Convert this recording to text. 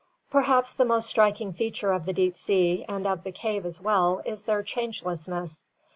Perhaps the most striking feature of the deep sea and of the cave as well is their changelessness.